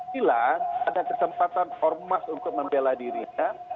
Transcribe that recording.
bila ada kesempatan ormas untuk membela dirinya